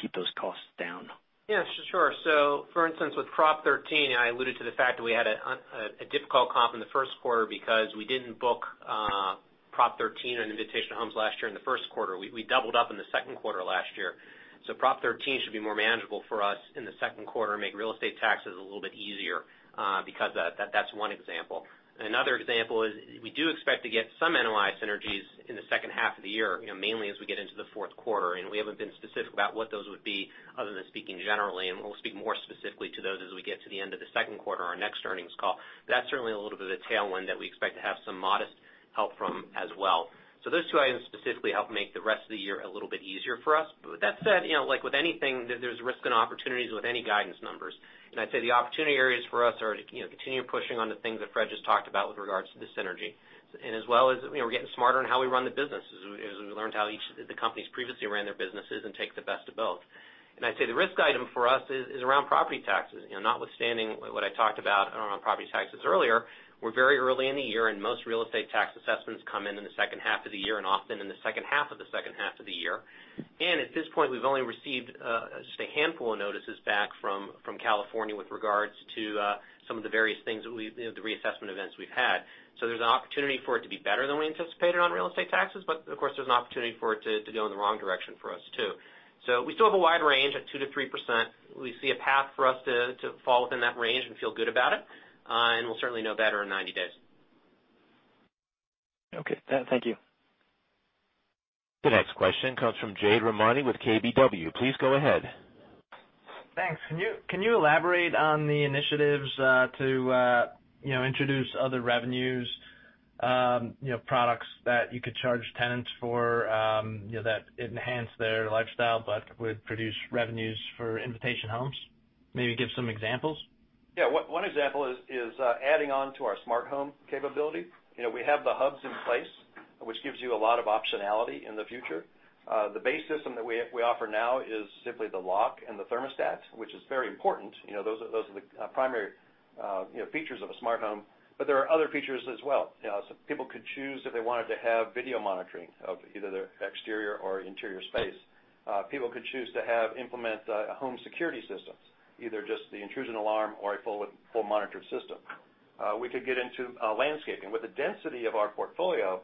keep those costs down. Yeah, sure. For instance, with Proposition 13, I alluded to the fact that we had a difficult comp in the first quarter because we didn't book Proposition 13 or Invitation Homes last year in the first quarter. We doubled up in the second quarter last year. Proposition 13 should be more manageable for us in the second quarter and make real estate taxes a little bit easier because of that. That's one example. Another example is we do expect to get some NOI synergies in the second half of the year, mainly as we get into the fourth quarter. We haven't been specific about what those would be other than speaking generally, and we'll speak more specifically to those as we get to the end of the second quarter on our next earnings call. That's certainly a little bit of a tailwind that we expect to have some modest help from as well. Those two items specifically help make the rest of the year a little bit easier for us. With that said, like with anything, there's risk and opportunities with any guidance numbers. I'd say the opportunity areas for us are to continue pushing on the things that Fred just talked about with regards to the synergy. As well as, we're getting smarter in how we run the business, as we learned how each of the companies previously ran their businesses and take the best of both. I'd say the risk item for us is around property taxes. Notwithstanding what I talked about around property taxes earlier, we're very early in the year, most real estate tax assessments come in in the second half of the year, and often in the second half of the second half of the year. At this point, we've only received just a handful of notices back from California with regards to some of the various things, the reassessment events we've had. There's an opportunity for it to be better than we anticipated on real estate taxes, but of course, there's an opportunity for it to go in the wrong direction for us, too. We still have a wide range at 2%-3%. We see a path for us to fall within that range and feel good about it. We'll certainly know better in 90 days. Okay. Thank you. The next question comes from Bose George with KBW. Please go ahead. Thanks. Can you elaborate on the initiatives to introduce other revenues, products that you could charge tenants for that enhance their lifestyle but would produce revenues for Invitation Homes? Maybe give some examples. Yeah. One example is adding on to our smart home capability. We have the hubs in place, which gives you a lot of optionality in the future. The base system that we offer now is simply the lock and the thermostat, which is very important. Those are the primary features of a smart home, but there are other features as well. So people could choose if they wanted to have video monitoring of either their exterior or interior space. People could choose to implement home security systems, either just the intrusion alarm or a full monitored system. We could get into landscaping. With the density of our portfolio,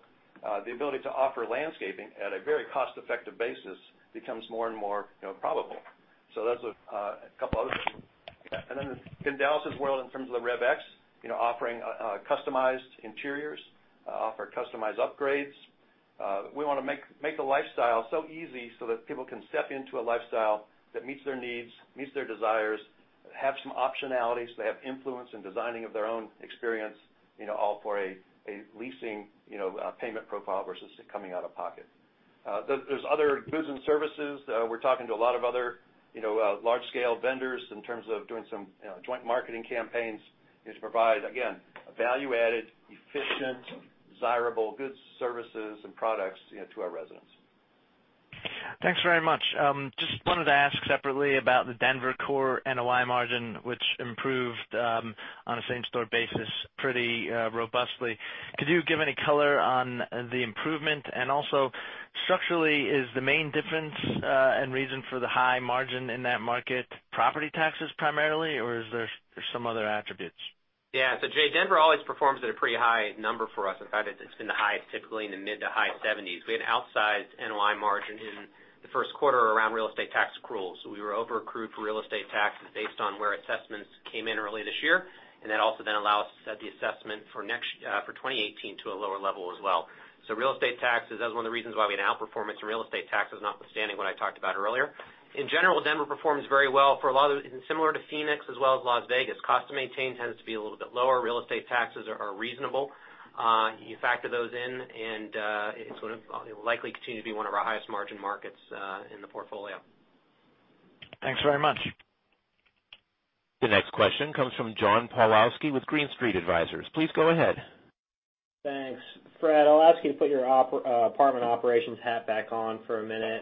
the ability to offer landscaping at a very cost-effective basis becomes more and more probable. So those are a couple other things. And then in Dallas' world, in terms of the RevX, offering customized interiors, offer customized upgrades. We want to make the lifestyle so easy so that people can step into a lifestyle that meets their needs, meets their desires, have some optionality, so they have influence in designing of their own experience, all for a leasing payment profile versus it coming out of pocket. There's other goods and services. We're talking to a lot of other large-scale vendors in terms of doing some joint marketing campaigns to provide, again, value-added, efficient, desirable goods, services, and products to our residents. Thanks very much. Just wanted to ask separately about the Denver core NOI margin, which improved on a same-store basis pretty robustly. Could you give any color on the improvement? Also, structurally, is the main difference and reason for the high margin in that market property taxes primarily, or is there some other attributes? Yeah. Bose, Denver always performs at a pretty high number for us. In fact, it's been the highest, typically in the mid to high 70s. We had outsized NOI margin in the first quarter around real estate tax accruals. We were over-accrued for real estate taxes based on where assessments came in early this year. That also then allowed us to set the assessment for 2018 to a lower level as well. Real estate taxes, that was one of the reasons why we had outperformed to real estate taxes, notwithstanding what I talked about earlier. In general, Denver performs very well for a lot of the reasons similar to Phoenix as well as Las Vegas. Cost to maintain tends to be a little bit lower. Real estate taxes are reasonable. You factor those in, and it'll likely continue to be one of our highest margin markets in the portfolio. Thanks very much. The next question comes from John Pawlowski with Green Street Advisors. Please go ahead. Thanks. Fred, I'll ask you to put your apartment operations hat back on for a minute.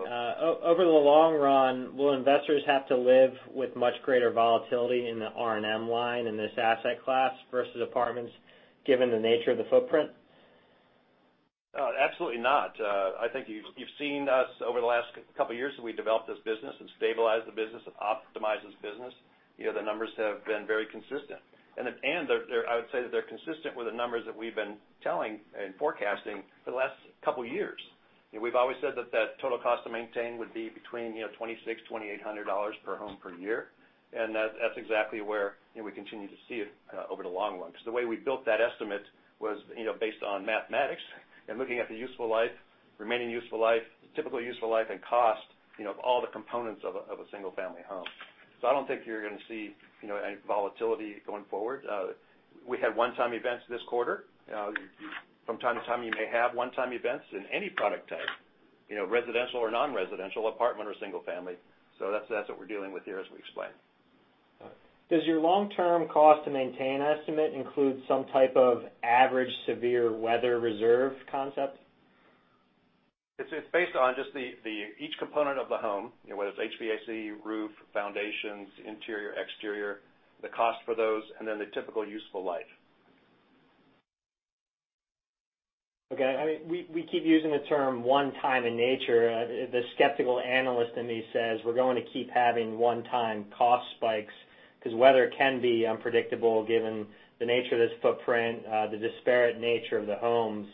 Over the long run, will investors have to live with much greater volatility in the R&M line in this asset class versus apartments, given the nature of the footprint? Absolutely not. I think you've seen us over the last couple years that we developed this business and stabilized the business and optimized this business. The numbers have been very consistent. I would say that they're consistent with the numbers that we've been telling and forecasting for the last couple of years. We've always said that that total cost to maintain would be between $2,600, $2,800 per home per year, and that's exactly where we continue to see it over the long run. The way we built that estimate was based on mathematics and looking at the useful life, remaining useful life, typical useful life, and cost of all the components of a single-family home. I don't think you're going to see any volatility going forward. We had one-time events this quarter. From time to time, you may have one-time events in any product type, residential or non-residential, apartment or single-family. That's what we're dealing with here, as we explained. All right. Does your long-term cost to maintain estimate include some type of average severe weather reserve concept? It's based on just each component of the home, whether it's HVAC, roof, foundations, interior, exterior, the cost for those, and then the typical useful life. Okay. We keep using the term one-time in nature. The skeptical analyst in me says we're going to keep having one-time cost spikes because weather can be unpredictable given the nature of this footprint, the disparate nature of the homes.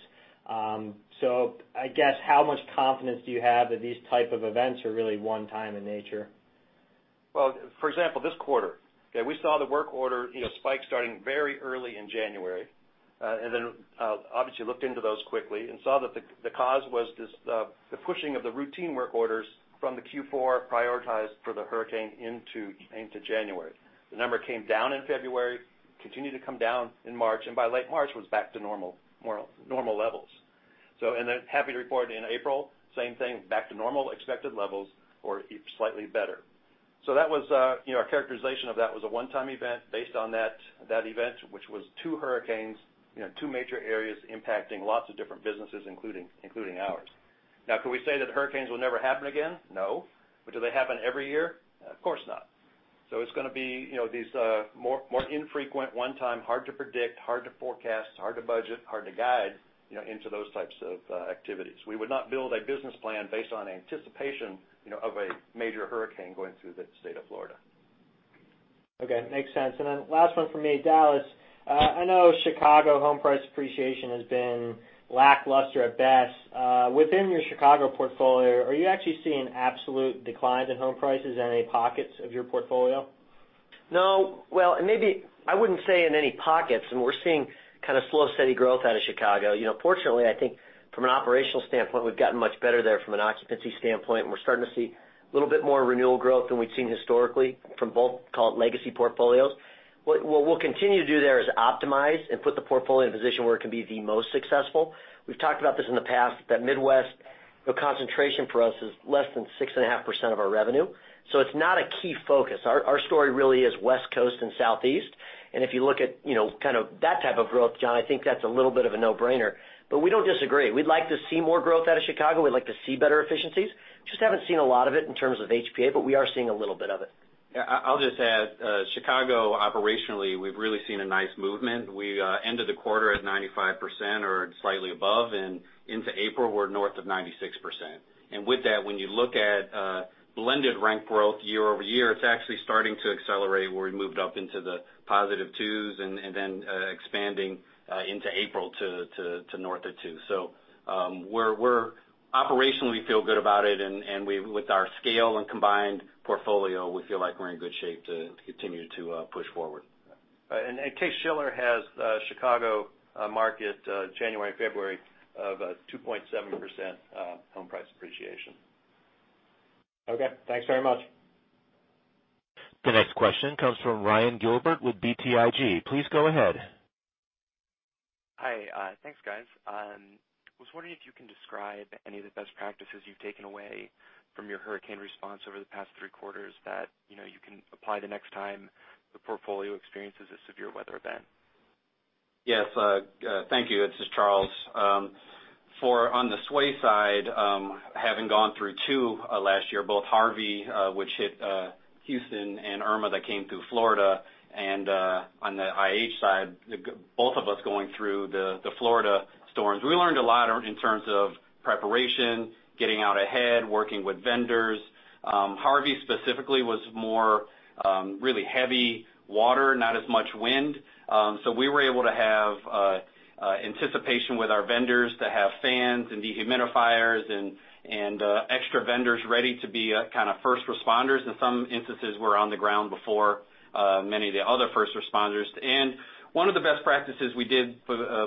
I guess, how much confidence do you have that these type of events are really one-time in nature? Well, for example, this quarter. We saw the work order spike starting very early in January, and then obviously looked into those quickly and saw that the cause was just the pushing of the routine work orders from the Q4 prioritized for the hurricane into January. The number came down in February, continued to come down in March, and by late March was back to normal levels. Happy to report in April, same thing, back to normal expected levels or slightly better. Our characterization of that was a one-time event based on that event, which was two hurricanes, two major areas impacting lots of different businesses, including ours. Could we say that hurricanes will never happen again? No. Do they happen every year? Of course not. It's going to be these more infrequent, one time, hard to predict, hard to forecast, hard to budget, hard to guide into those types of activities. We would not build a business plan based on anticipation of a major hurricane going through the state of Florida. Okay. Makes sense. Last one from me, Dallas. I know Chicago home price appreciation has been lackluster at best. Within your Chicago portfolio, are you actually seeing absolute declines in home prices in any pockets of your portfolio? No. Well, maybe I wouldn't say in any pockets, and we're seeing kind of slow, steady growth out of Chicago. Fortunately, I think from an operational standpoint, we've gotten much better there from an occupancy standpoint, and we're starting to see a little bit more renewal growth than we'd seen historically from both legacy portfolios. What we'll continue to do there is optimize and put the portfolio in a position where it can be the most successful. We've talked about this in the past, that Midwest, the concentration for us is less than 6.5% of our revenue. It's not a key focus. Our story really is West Coast and Southeast. If you look at that type of growth, John, I think that's a little bit of a no-brainer. We don't disagree. We'd like to see more growth out of Chicago. We'd like to see better efficiencies. Just haven't seen a lot of it in terms of HPA, but we are seeing a little bit of it. Yeah. I'll just add, Chicago, operationally, we've really seen a nice movement. We ended the quarter at 95% or slightly above, into April, we're north of 96%. With that, when you look at blended rent growth year-over-year, it's actually starting to accelerate, where we moved up into the positive 2s and then expanding into April to north of 2. Operationally, we feel good about it, with our scale and combined portfolio, we feel like we're in good shape to continue to push forward. Case-Shiller has Chicago market January, February of 2.7% home price appreciation. Okay, thanks very much. The next question comes from Ryan Gilbert with BTIG. Please go ahead. Hi. Thanks, guys. I was wondering if you can describe any of the best practices you've taken away from your hurricane response over the past three quarters that you can apply the next time the portfolio experiences a severe weather event. Yes. Thank you. This is Charles. On the Sway side, having gone through two last year, both Harvey which hit Houston and Irma that came through Florida, and on the IH side, both of us going through the Florida storms. We learned a lot in terms of preparation, getting out ahead, working with vendors. Harvey specifically was more really heavy water, not as much wind. We were able to have anticipation with our vendors to have fans and dehumidifiers and extra vendors ready to be kind of first responders. In some instances, we're on the ground before many of the other first responders. One of the best practices we did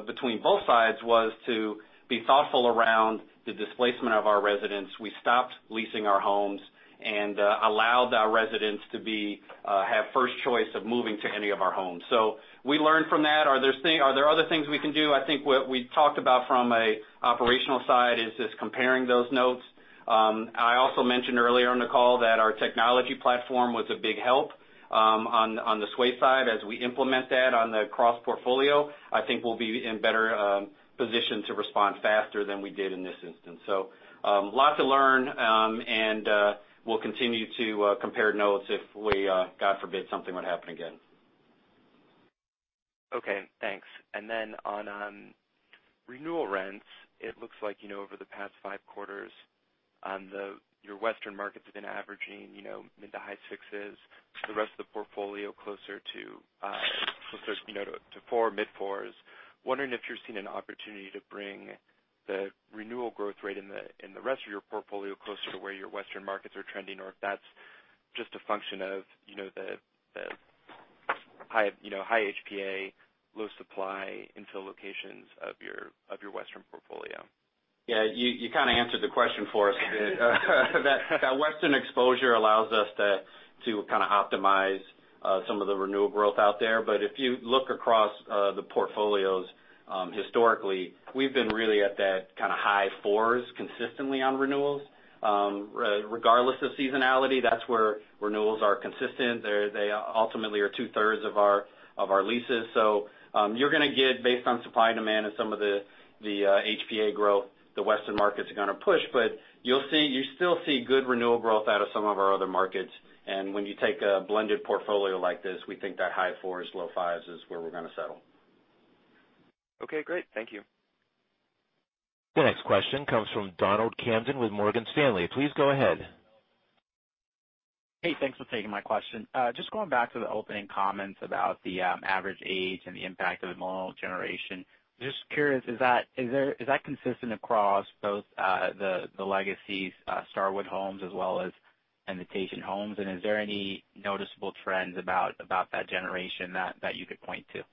between both sides was to be thoughtful around the displacement of our residents. We stopped leasing our homes and allowed our residents to have first choice of moving to any of our homes. We learned from that. Are there other things we can do? I think what we talked about from an operational side is just comparing those notes. I also mentioned earlier on the call that our technology platform was a big help on the Sway side. As we implement that on the cross-portfolio, I think we'll be in better position to respond faster than we did in this instance. A lot to learn, and we'll continue to compare notes if we, God forbid, something would happen again. Okay, thanks. On renewal rents, it looks like over the past five quarters, your Western markets have been averaging mid to high sixes, the rest of the portfolio closer to four, mid-fours. Wondering if you're seeing an opportunity to bring the renewal growth rate in the rest of your portfolio closer to where your Western markets are trending, or if that's just a function of the High HPA, low supply infill locations of your Western portfolio. Yeah. You kind of answered the question for us. That Western exposure allows us to kind of optimize some of the renewal growth out there. If you look across the portfolios, historically, we've been really at that kind of high fours consistently on renewals. Regardless of seasonality, that's where renewals are consistent. They ultimately are two-thirds of our leases. You're going to get based on supply and demand and some of the HPA growth, the Western markets are going to push, but you still see good renewal growth out of some of our other markets. When you take a blended portfolio like this, we think that high fours, low fives is where we're going to settle. Okay, great. Thank you. The next question comes from Richard Camden with Morgan Stanley. Please go ahead. Hey, thanks for taking my question. Just going back to the opening comments about the average age and the impact of the Millennial generation. Just curious, is that consistent across both the legacy Starwood Homes as well as Invitation Homes, and is there any noticeable trends about that generation that you could point to?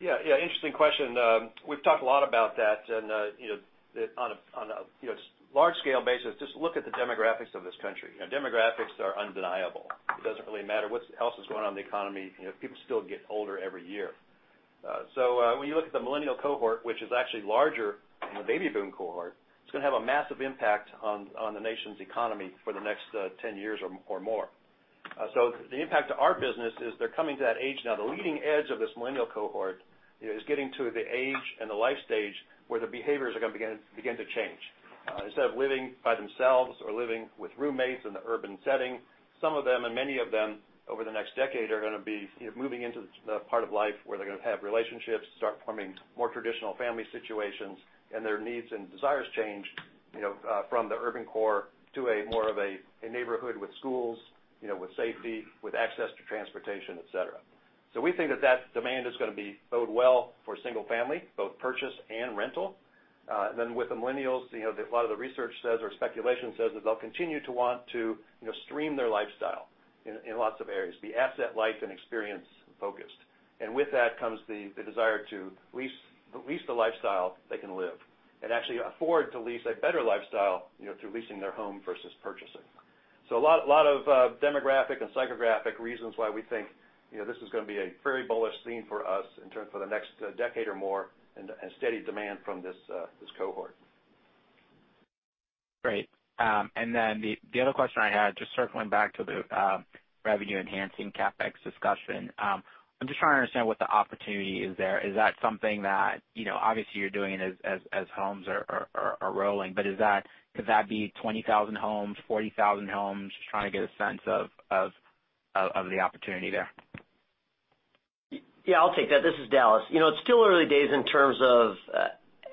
Yeah. Interesting question. We've talked a lot about that. On a large scale basis, just look at the demographics of this country. Demographics are undeniable. It doesn't really matter what else is going on in the economy, people still get older every year. When you look at the Millennial cohort, which is actually larger than the Baby Boom cohort, it's going to have a massive impact on the nation's economy for the next 10 years or more. The impact to our business is they're coming to that age now. The leading edge of this Millennial cohort is getting to the age and the life stage where the behaviors are going to begin to change. Instead of living by themselves or living with roommates in the urban setting, some of them, many of them over the next decade, are going to be moving into the part of life where they're going to have relationships, start forming more traditional family situations. Their needs and desires change from the urban core to a more of a neighborhood with schools, with safety, with access to transportation, et cetera. We think that demand is going to bode well for single-family, both purchase and rental. With the Millennials, a lot of the research says or speculation says, is they'll continue to want to stream their lifestyle in lots of areas. Be asset-light and experience-focused. With that comes the desire to lease the lifestyle they can live and actually afford to lease a better lifestyle through leasing their home versus purchasing. A lot of demographic and psychographic reasons why we think this is going to be a very bullish theme for us for the next decade or more, steady demand from this cohort. Great. The other question I had, just circling back to the revenue-enhancing CapEx discussion. I'm just trying to understand what the opportunity is there. Is that something that, obviously, you're doing it as homes are rolling, but could that be 20,000 homes, 40,000 homes? Just trying to get a sense of the opportunity there. Yeah, I'll take that. This is Dallas. It's still early days in terms of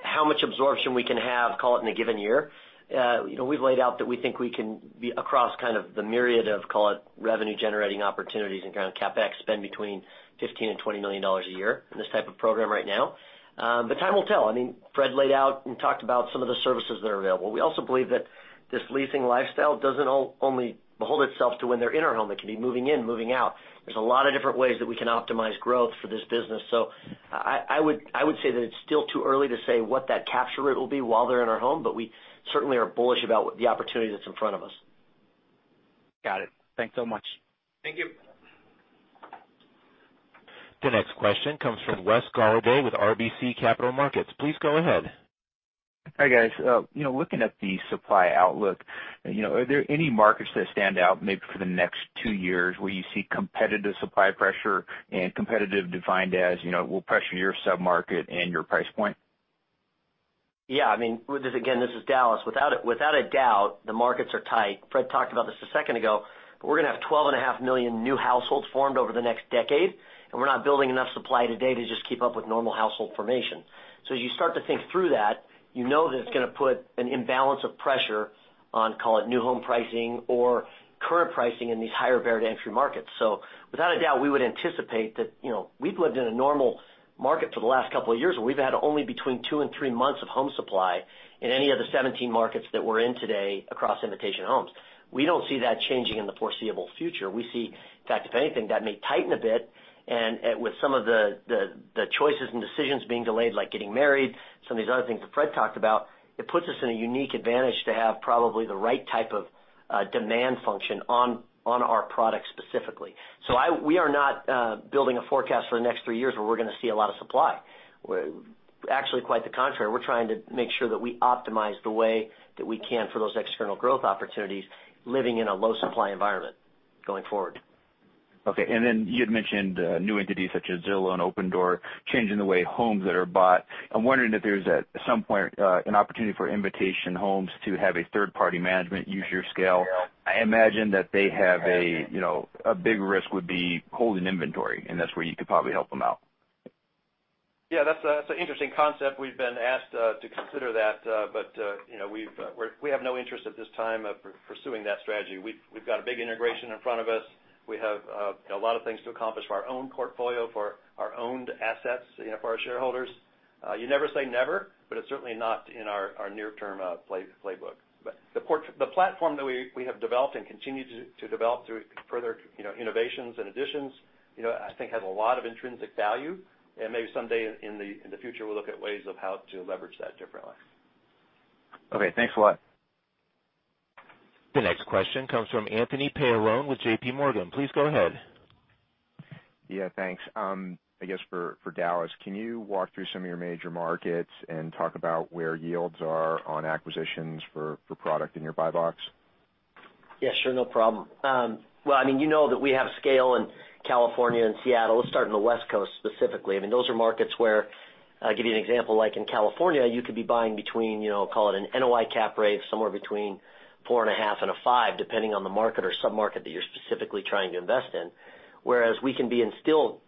how much absorption we can have, call it in a given year. We've laid out that we think we can be across kind of the myriad of call it revenue-generating opportunities and kind of CapEx spend between $15 million and $20 million a year in this type of program right now. Time will tell. Fred laid out and talked about some of the services that are available. We also believe that this leasing lifestyle doesn't only behold itself to when they're in our home. It can be moving in, moving out. There's a lot of different ways that we can optimize growth for this business. I would say that it's still too early to say what that capture rate will be while they're in our home, we certainly are bullish about the opportunity that's in front of us. Got it. Thanks so much. Thank you. The next question comes from Wes Golladay with RBC Capital Markets. Please go ahead. Hi, guys. Looking at the supply outlook, are there any markets that stand out maybe for the next two years where you see competitive supply pressure and competitive defined as will pressure your sub-market and your price point? Yeah, again, this is Dallas. Without a doubt, the markets are tight. We're going to have 12 and a half million new households formed over the next decade, and we're not building enough supply today to just keep up with normal household formation. As you start to think through that, you know that it's going to put an imbalance of pressure on, call it new home pricing or current pricing in these higher barrier to entry markets. Without a doubt, we would anticipate that we've lived in a normal market for the last couple of years, and we've had only between two and three months of home supply in any of the 17 markets that we're in today across Invitation Homes. We don't see that changing in the foreseeable future. We see, in fact, if anything, that may tighten a bit with some of the choices and decisions being delayed, like getting married, some of these other things that Fred talked about. It puts us in a unique advantage to have probably the right type of demand function on our product specifically. We are not building a forecast for the next 3 years where we're going to see a lot of supply. Actually, quite the contrary. We're trying to make sure that we optimize the way that we can for those external growth opportunities, living in a low supply environment going forward. Okay. Then you had mentioned new entities such as Zillow and Opendoor changing the way homes that are bought. I'm wondering if there's at some point, an opportunity for Invitation Homes to have a third-party management use your scale. I imagine that they have a big risk would be holding inventory, and that's where you could probably help them out. Yeah, that's an interesting concept. We've been asked to consider that. We have no interest at this time of pursuing that strategy. We've got a big integration in front of us. We have a lot of things to accomplish for our own portfolio, for our owned assets, for our shareholders. You never say never, but it's certainly not in our near-term playbook. The platform that we have developed and continue to develop through further innovations and additions, I think has a lot of intrinsic value. Maybe someday in the future, we'll look at ways of how to leverage that differently. Okay. Thanks a lot. The next question comes from Anthony Paolone with J.P. Morgan. Please go ahead. Yeah, thanks. I guess for Dallas, can you walk through some of your major markets and talk about where yields are on acquisitions for product in your buy box? Yeah, sure. No problem. Well, you know that we have scale in California and Seattle. Let's start on the West Coast specifically. Those are markets where, I'll give you an example, like in California, you could be buying between, call it an NOI cap rate, somewhere between 4.5 and a 5, depending on the market or sub-market that you're specifically trying to invest in. Whereas we can be in still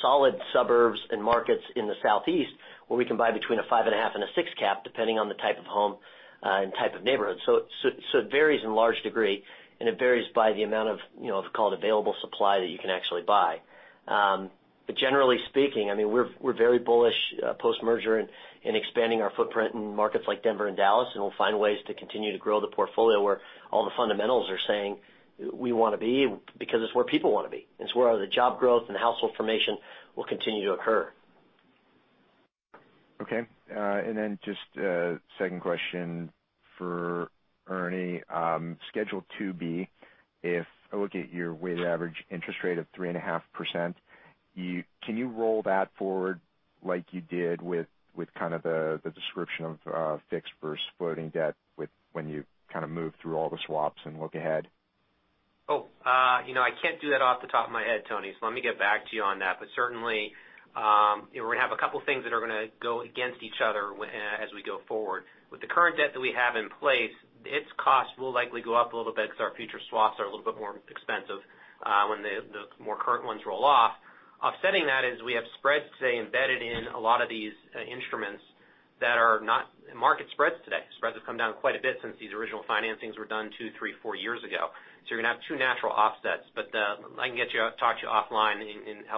solid suburbs and markets in the Southeast, where we can buy between a 5.5 and a 6 cap, depending on the type of home and type of neighborhood. It varies in large degree, and it varies by the amount of call it available supply that you can actually buy. Generally speaking, we're very bullish post-merger in expanding our footprint in markets like Denver and Dallas, and we'll find ways to continue to grow the portfolio where all the fundamentals are saying we want to be, because it's where people want to be. It's where the job growth and household formation will continue to occur. Okay. Just a second question for Ernie. Schedule 2B, if I look at your weighted average interest rate of 3.5%, can you roll that forward like you did with kind of the description of fixed versus floating debt when you kind of move through all the swaps and look ahead? I can't do that off the top of my head, Tony, let me get back to you on that. Certainly, we have a couple of things that are going to go against each other as we go forward. With the current debt that we have in place, its cost will likely go up a little bit because our future swaps are a little bit more expensive when the more current ones roll off. Offsetting that is we have spreads today embedded in a lot of these instruments that are not market spreads today. Spreads have come down quite a bit since these original financings were done two, three, four years ago. You're going to have two natural offsets. I can talk to you offline and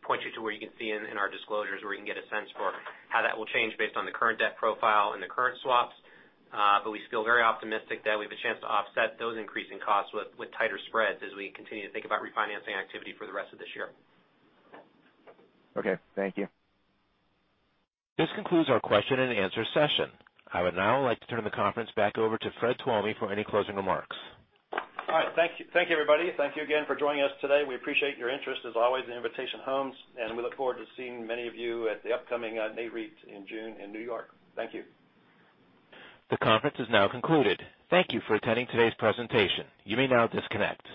point you to where you can see in our disclosures, where you can get a sense for how that will change based on the current debt profile and the current swaps. We feel very optimistic that we have a chance to offset those increasing costs with tighter spreads as we continue to think about refinancing activity for the rest of this year. Okay. Thank you. This concludes our question and answer session. I would now like to turn the conference back over to Fred Tuomi for any closing remarks. All right. Thank you, everybody. Thank you again for joining us today. We appreciate your interest, as always, in Invitation Homes, and we look forward to seeing many of you at the upcoming Nareit in June in New York. Thank you. The conference is now concluded. Thank you for attending today's presentation. You may now disconnect.